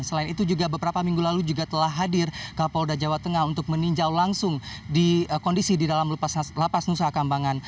selain itu juga beberapa minggu lalu juga telah hadir ke polda jawa tengah untuk meninjau langsung kondisi di dalam lapas nusa kambangan